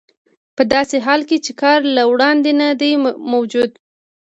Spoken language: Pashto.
په داسې حال کې چې کار له وړاندې نه دی موجود